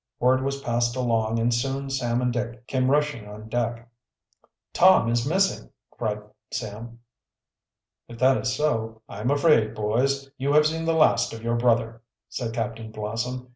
Word was passed along and soon Sam and Dick came rushing on deck. "Tom is missing!" cried Sam. "If that is so, I'm afraid, boys, you have seen the last of your brother," said Captain Blossom.